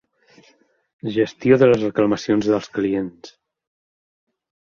Gestió de les reclamacions dels clients.